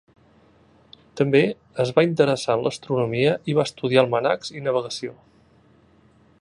També es va interessar en l'astronomia i va estudiar almanacs i navegació.